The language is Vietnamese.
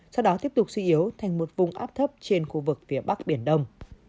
sau đó tiếp tục suy yếu thành một vùng áp thấp trên khu vực phía bắc biển đông